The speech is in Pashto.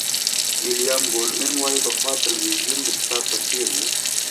ویلیام گولډمېن وایي پخوا تلویزیون د کتاب په څېر و.